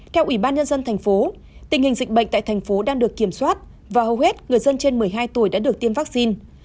theo ubnd tp tình hình dịch bệnh tại tp đang được kiểm soát và hầu hết người dân trên một mươi hai tuổi đã được tiêm vaccine